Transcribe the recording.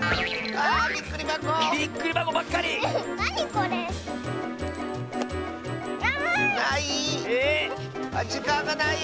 あっじかんがないよ！